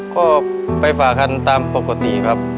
ก็ไปฝ่าคันตามปกติครับ